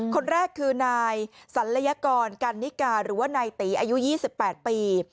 คนแรกคือนายสัลยกรกันนิกาหรือว่านายตีอายุ๒๘ปี